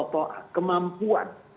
mereka menggunakan kemampuan